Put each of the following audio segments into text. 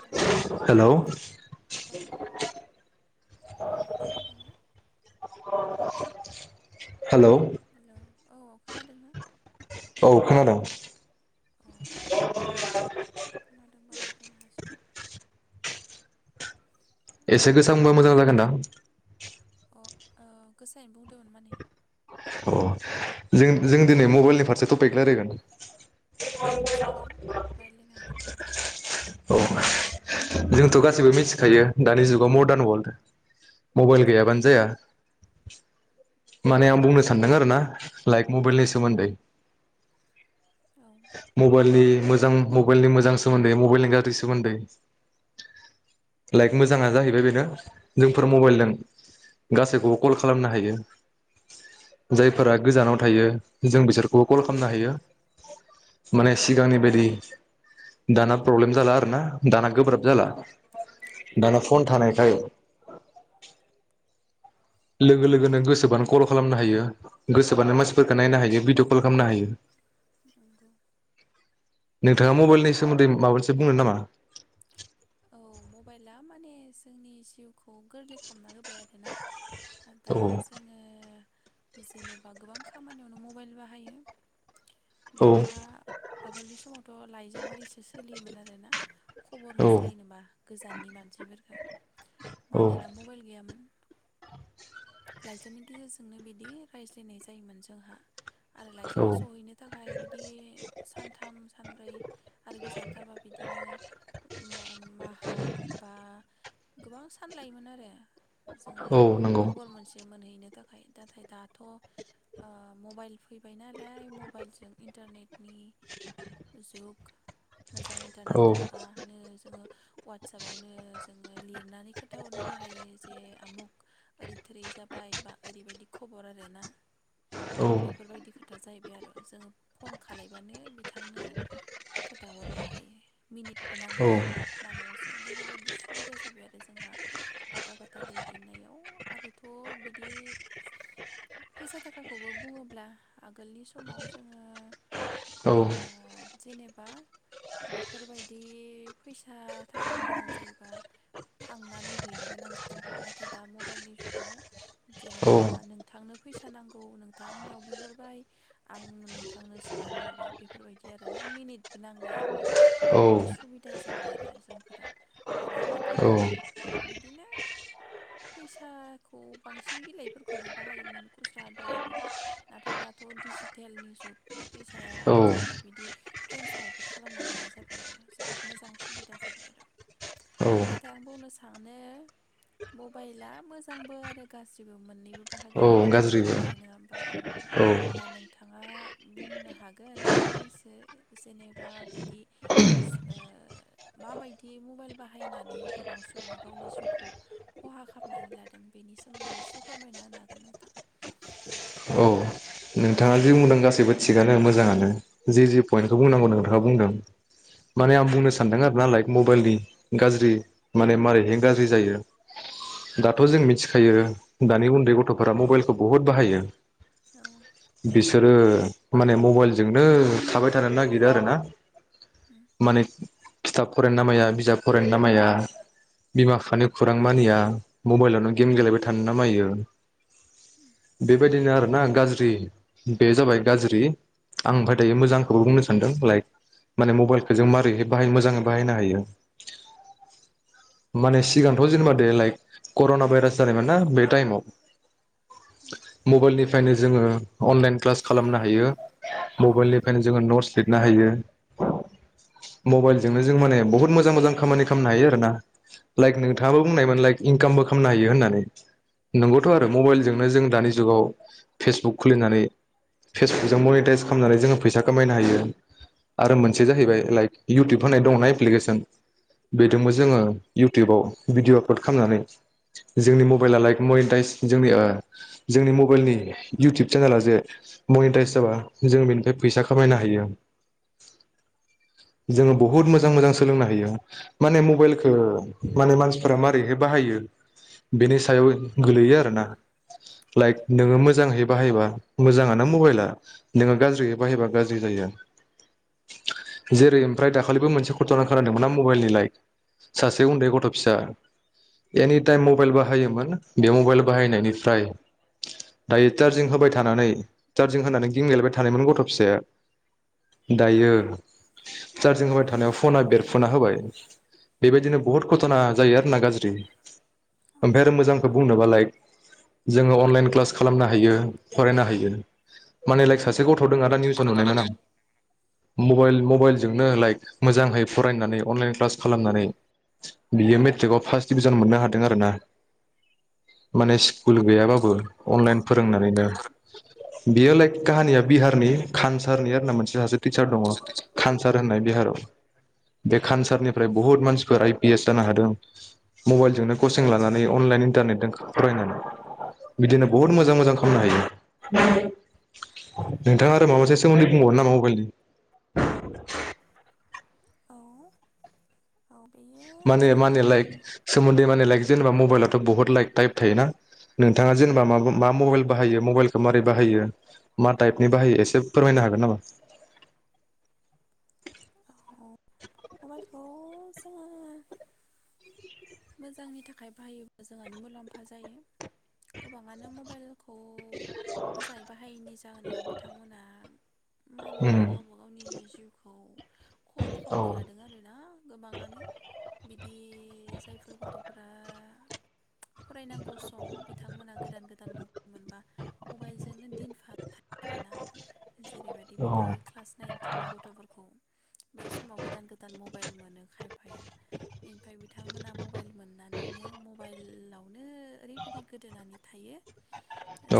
Hello नोंथां hello औ खोनादों ना हेलौ औ हेल' औ खोनादोंना औ खोनादों अ दे [unintelligible] [inaudible] एसे गोसा बुंबा मोजां जागोनदां [inaudible] गोसायैनो बुंदोंमोन माने अ जों जों दिनै मबाइलनि फारसे थपिक रायलायगोन औ जागोन रायज्लायनो हागोन औ जोंथ' औ गासैबो मिथिखायो दानि जुगाव मर्दार्न वर्ल्ड मबाइल गैयाबानो नंगौ जाया [inaudible] माने आं बुंनो सानदों आरो ना लाइक मबाइलनि सोमोन्दै औ मबेलनि मोजां मबाइलनि मोजां सोमोन्दै मबाइलनि गाज्रि सोमोन्दै लाइक मोजाङा जाहैबाय बेनो जोंफोर मबाइलजों गासैखौबो कल खालामनो हायो जायफोरा गोजानाव थायो जों बिसोरखौ कल खालामनो हायो माने सिगांनि बायदि दाना प्रब्लेम जाला आरोना दाना गोब्राब जाला दाना फन थानायखाय लोगो लोगोनो गोसोबानो कल खालामनो हायो गोसो बानो मानसिफोरखौ नायनो हायो भिदिअ कल खामनो हायो नोंगौ नोंथाङा मबाइलनि सोमोन्दै माबा मोनसे बुंगोन नामा औ मबाइला माने जोंनि जिउखौ गोरलै खालामना होबाय आरोना दा औ जोङो जेनेबा गोबां खामानियावनो मबाइल बाहायो औ दा आगोलनि समावथ' लाइजामारिसो सोलियोमोन आरोना खबर औ हो गोजाननि मानसिफोरखौ औ मानोना मबाइल गैयामोन। लाइजामनि गेजेरजोंनो बिदि रायज्लायनाय जायोमोन जोंहा। आरो औ लाइजामा सहैनो थाखाय बिदि सानथाम सानब्रै आरो गोजानथारबा बिदिनो माहा बा गोबां सान लायोमोन आरो। जोंहा औ नंगौ खबर मोनसे मोनहैनो थाखाय नाथाय दाथ' ओ मबाइल फैबाय नालाय मबाइलजों इन्टारनेट नि जुग मोजां औ इन्टारनेट थाबा नो जोङो वाटसापावनो जोङो लिरनानै खोथााहरनोबो हायो जे आमुख ओरै थोरै जाबाय बा ओरैबायदि खबर आरोना। औ बेफोरबायदि खो था जाहैबाय आरो जोङो फन खालायबानो बिथांनो खोथाहरनो हायो मिनिट बो औ नांलाया मालाबा सम बेफोरबायदि सुबिदा जाबाय आरो जोंहा बाथा गोथा दै देरनायाव आरोथ' बिदि फैसा थाखाखौबो बुङोब्ला आगोलनि समाव जोङो औ आ जेनेबा बेफोरबाय दि फैसा थाखानि गोनां जायोबा थांनानै हैनो गोनां जायोमोन नाथाय दा मबाइलनि जुगाव जेनेबा नोंथांनो फैसा नांगौ नोंथां आंनियाव बिहरबाय आं नोंथांनो सोनानै हरबाय बेफोरबायदि आरोना मिनिटबो नांलाया। फोरबायदि सुबिदा जाबाय आरो जोंफोरा आरो आगोल बिदिनो फैसाखौ बांसिन बिलाइफोरखौनो बाहायोमोन खुस्रा बिलाइखौ नाथाय दाथ' डिजिटेलनि जुग फैसाया जेनेबा बिदि ट्रेन्सफारबो खालामनो हानाय जाबाय। बाय आरो जोबोद मोजां सुबिदा जाबाय आरो औ नाथाय आं बुंनो सानो मबाइला मोजांबो आरो गाज्रिबो मोननैबो। बाहागो औ लानानै फैदों गाज्रिबो आरो नोङा होमबा औ अब्ला नोंथाङा बुंनो हागोन फंनैसो जेनेबा बिदि ओ ओ माबायदि मबाइल बाहायनानै गोबां सुबुङा गावनि जिउखौ खहा खालामनानै लादों बेनि सोमोन्दै एसे फोरमायना होनो हागोन नोंथां? औ नोंथाङा जि बुंदों गासैबो थिगानो मोजाङानो जि जि पइन्टखौ बुंनांगौ नोंथाङा बुंदों माने आं बुंनो सानदों आरो नालाय मबाइलनि गाज्रि माने मारैहाय गाज्रि जायो दाथ' जों मिथिखायो दानि उन्दै गथ'फोरा मबाइलखौ बुहुत बाहायो। औ बिसोरो माने मबाइलजोंनो थाबाय थानो नागिरो आरोना उम माने खिथाब फरायनो नामाया बिजाब फरायनो नामाया बिमा बिफानि खुरां मानिया मबाइलावनो गेम गेलेबाय थानो नामायो। बेबायदिनो आरो ना गाज्रि बे जाबाय गाज्रि आं ओमफ्राय दायो मोजांखौबो बुंनो सानदों लाइक माने मबाइलखौ जों मारैहाय बाहायो मोजाङै बाहायनो हायो माने सिगांथ' जेनेबा दे लाइक कर'ना भाइरास जानायमोन ना बे टाइमाव मबाइलनिफ्रायनो जोङो अनलाइन क्लास खालामनो हायो मबाइलनिफ्रायनो जोङो नटस लिरनो हायो मबाइलजोंनो जों माने बहुत मोजां मोजां खामानि खामनो हायो आरोना। लाइक उम नोंथाङाबो बुंनायमोन लाइक इनकाम बो खामनो हायो होननानै नोंगौथ' उम आरो मबाइलजोंनो जों दानि जुगाव फेसबुक। खुलिनानै फेसबुकजों मनिटाइस खालामनानै जोङो फैसा खामायनो हायो आरो मोनसे जाहैबाय लाइक इउटुब होननाय दंना एप्लिकेसन बेदोंबो जोङो इउटुबाव भिडिअ' आपलड खामनानै जोंनि मबाइला लाइक मनिटाइस जोंनि ओ जोंनि मबाइलनि इउटुब चेनेला जे मनिटाइस जाबा जों बेनिफ्राय फैसा खामायनो हायो जोङो बहुद मोजां मोजां सोलोंनो हायो माने मबाइलखौ माने मानसिफोरा मारैहाय बाहायो बेनि सायाव गोलैयो आरोना। औ लाइक नोङो मोजांहै बाहायोबा मोजाङानो मबाइला नोङो गाज्रियै बाहायोबा गाज्रि जायो जेरै ओमफ्राय दाखालिबो मोनसे घट'ना खोनादोंमोनना मबाइलनि लाइक सासे उन्दै गथ' फिसा एनिटाइम मबाइल बाहायोमोन बे मबाइल बाहायनायनिफ्राय दायो। चार्जिं होबाय थानानै चार्जिं होनानै गिम गेलेबाय थानायमोन गथ' फिसाया दायो चार्जिं होबाय थानायाव फना बेरफुना होबाय बेबायदिनो बहुत घथना जायो आरो ना गाज्रि ओमफ्राय आरो मोजांखौ बुंनोबा लाइक जोङो अनलाइन क्लास खालामनो हा हायो फरायनो हायो माने लाइक सासे गथ' थ दों आदा निउसाव नुनायमोन आं। मबाइल मबाइलजोंनो लाइक मोजांहै फरायनानै अनलाइन क्लास खालामनानै बियो मेट्रिकआव फार्स्ट डिभिजन मोननो हादों आरोना माने स्कुल गैयाबाबो। फोरोंनानैनो बेयो लाइक काहानिया बिहारनि खानसारनि [unintelligible] मोनसे सासे टिचार दङ खानसार होननाय बिहाराव बे खानसारनिफ्राय बुहुत मानसिफोर आइ पि एस जानो हादों मबाइलजोंनो कचिं लानानै अनलाइन इन्टारनेटजों फरायनानै बिदिनो बहुत मोजां मोजां खालामनो हायो नोंथाङा आरो माबासे सोमोन्दै बुंबावोन नामा मबाइलनि [inaudible] औ औ। बेयो माने जोंना माने लाइक सोमोन्दै माने लाइक जेन बा मबाइलावथ' बहुत लाइक ताइप थायोना नोंथाङा जेनेबा मा उम मा मबाइल बाहायो मबाइलखौ माबारै बाहायो। मा टाइपनि बाहायो एसे फोरमायनो हागोन नामा? सान मोजांनि थाखाय बाहायोबा जोंहानो मुलाम्फा जायो गोबाङानो मबाइल खौ मोजाङै बाहायैनि जाहोनाव बिथांमोना। माने उम गावबा गावनि जिउखौ खहा औ खालामना लादों आरोना गोबाङानो बि बि [inaudible] बे गथ'फ्रा [inaudible] फरायनांगौ सम बिथांमोना गोदान गोदान मबाइल मोनबा मबाइलजोंनो दिनफा थ आरोना जेरैबायदि औ बिदि क्लास नाइन टेननि गथ'फोरखौ बे समाव गोदान गोदान मबाइल मोनो खायफाया ओमफाय बिथांमोना [inaudible] थानानैनो मबाइलावनो ओरैबायदि गोदोनानै थायो।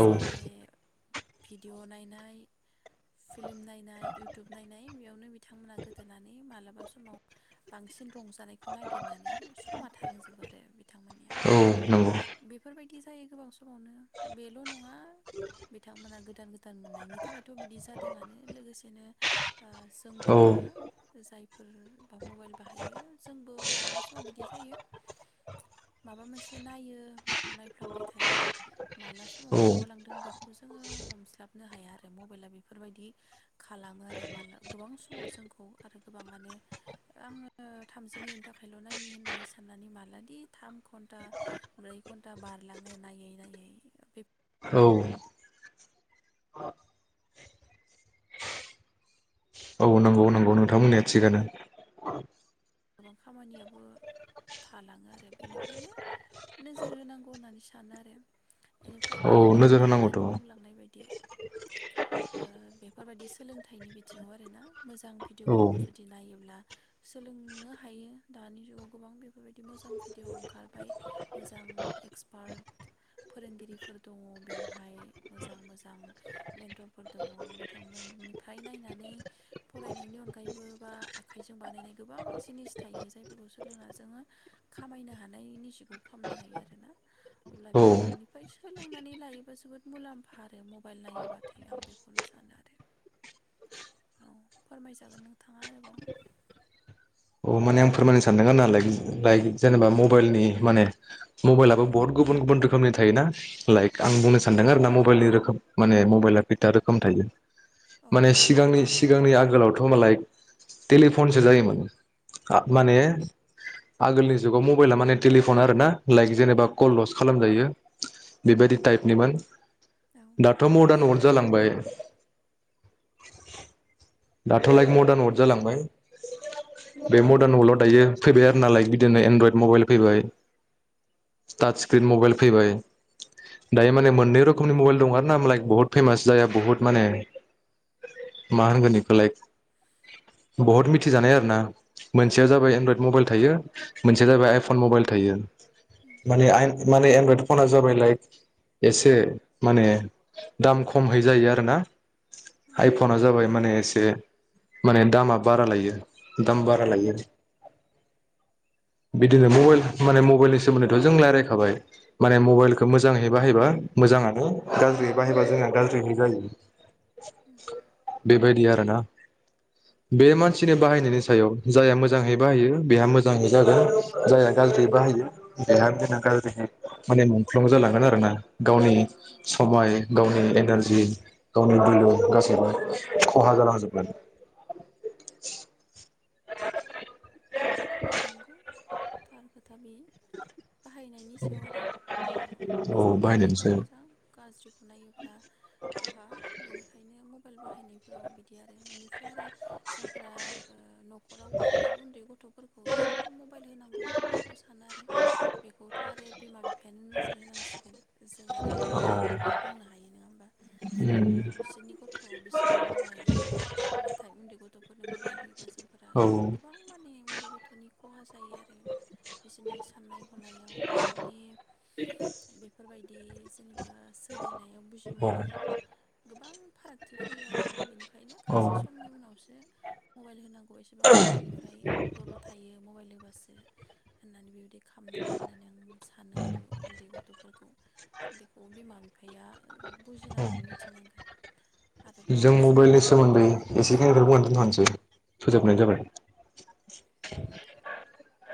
औ भिडिअ नायनाय। फिल्म नायनाय इयउटुब नायनाय बेयावनो बिथांमोना गोदोनानै माल दा समाव बांसिन। जानायखौ नागिरनानै समा थालांजोबो आरो बिथांमोननिया औ नंगौ बेफोर बिदि जायो गोबाव सम नो बेल' नङा बिथांमोना गो थां [unintelligible] गोदान मोननायनि थाखायथ' बिदि जादोङानो लोगोसेनो औ जोंफोरो जाय बा मबाइल बाहायो जोंबो मालाबा समाव बिदि जायो। माबा मोनसे नायो बे बेखौ नायफ्लांबाय थायो माला समाव औ बारग'लांदों बेखौ जोङो हमस्लाब नो हाया आरो मबाइला बेफोरबायदि खालामो आरो मालाब गोबां समाव जोंखौ आरो गोबाङानो आङो थामजि मिनिटनि थाखायल' नायनायनि होननानै सानो। साननानै मालादि थाम घन्टा ब्रै घन्टा बारलाङो नायै नायै औ औ नंगौ नंगौ नोंथां बुंनाया थिगानो गोबां खामानियाबो थालाङो आरो बेनिखायनो नोजोर होनांगौ होननानै सा सानो आरो बेनिफ्रायथ' औ आरो नोजोर नोंथाङा होनांगौथ' दानि बुंलांनाय बायदि ओ बेफोर बायदि। सोलोंथाइनि बिथिङाव आरोना मोजां औ भिडिअफोरखौ जुदि नायोब्ला सोलों नो हायो दानि जुगाव गोबां बेफोरबायदि मोजां भिडिअ ओंखारबाय मोजां एक्सपार्ट फोरोंगिरिफोर दङ बेवहाय मोजां मोजां बेन्टरफोर दङ बिथांमोननिफ्राय नायनानै फरायनायनि अनगायैबो बा आखाइजों बानायनाय गोबां जिनिस थायो जायफोरखौ सोलोंना जोङो खामायनो हानायनि [unintelligible] हायो आरोना। अब्ला औ बेफोरनिफ्राय सो सोलोंनानै लायोबा जोबोद मुलाम्फा आरो मबाइल नायोबाथाय आं बेखौनो सानो आरो औ फोरमायजागोन नोंथाङा आरोबाव औ माने आं फोरमायनो सानदों आरो ना लाइक लाइक जेनेबा मबाइलनि माने मबाइलाबो बहुत गुबुन गुबुन रोखोमनि थायोना लाइक आं बुंनो सानदों आरो ना मबाइलनि रोखोम माने मबाइला कैता रोखोम थायो। औ माने सिगांनि। सिगांनि आगोलावथ' मालाय टेलिफनसो जायोमोन। माने आगोलनि जुगाव मबाइला माने टेलिफन आरो ना लाइक जेनेबा कल उम ल'सो खालाम जायो। बेबायदि टाइपनिमोन औ दाथ' मडार्न वारड रायलायनायल'मोन जालांबाय। दाथ' लाइक मदार्न वार्ड जालांबाय। बे उम मडार्न वर्ल्डआव दायो। फैबाय आरो ना लाइक बिदिनो एनड्रइद मबाइल फैबाय टाच स्क्रिन मबाइल फैबाय दायो माने मोननै रोखोमनि मबाइल दं आर ना लाइक बुहुत फेमास जाया बुहुत माने मा होनगोन बेखौ लाइक बहुत मिथिजानाय आरो ना। उम मोनसेया जाबाय एनड्रयड मबाइल थायो। मोनसेया जाबाय आइफन मबाइल थायो। उम माने आय माने। एद्रइद फना जाबाय लाइक एसे माने दाम खमहै जायो आरोना उम आइफना जाबाय माने एसे माने दामा बारा लायो दाम बारा उम लायो आरो बिदिनो मबाइल माने मबाइलनि सोमोन्दैथ' जों रायलायखाबाय माने मबाइलखौ मोजाङै बाहायबा मोजाङानो गाज्रियै बाहायबा जोंहा गाज्रिहै जायो उम बेबायदि आरो बे मानसिनि बाहायनायनि सा याव जायहा मोजाङै बाहायो बेहा मोजाङै जागोन जायहा गाज्रि बाहायो बेहा गाज्रि माने मुंख्लं जालांगोन आरोना गावनि औ समाय गावनि एनारजि गावनि बलु गासैबो खहा उम जानांजोबगोन [inaudible] नंगौ थार खोथा बे बाहायनायनि सायाव आरो ओ औ मोजांखौ बाहायनायनि नायोब्ला सायाव मोजां गाज्रिखौ नायोब्ला खहा बेनिखायनो मब मबाइल बाहायनायफोराव बिदि बि आरो बेनिफ्राय आरो ओ जोंफोरा न'खराव थानाय उन्दै गथ' गथ फोरफोरखौ एसे खम मबाइल होनांगौ बेखौ सानो आरो बेखौथ' आरो बिमा बिफायानो नोजोर होनांसिगोन जों आरो औ मालायखौ मा बुंनो हायो नङा होमबा बिसोरनि गथ' बिसोरनि मबाइल नाथाय उन्दै गथ'फोरनो मबाइल होयो। जोंफोरा औ गोबां मानि बे गथ'नि खहा जायो आरो बिसोरनि साननाय हनायाव बिसोरनि बेफोरबायदि जेनेबा सोलिनायाव बुजि मोननायाव गोबां फारागथि फैयो आरो बेनिखायनो औ खायसे समनि उनावसो मबाइल होनांगौ। बे एसेबां उन्दैनिफ्राय ल' थायो मबाइल होबासो होननानै बेबायदि खालामनाङा होननानै आं सानो आरो उन्दै गथ'फोरखौ बेखौ बिमा बिफा बिफाया बुजिनांगोन मिथिनांगोन आरो जों गावसोरनि मबाइलनि गथ' सोमोन्दै गथायनो सम एसेखिनिखौ बुंनानै होनांगौ आरो। दोनथ'नोसै फोजोबनाय जाबाय। [inaudible]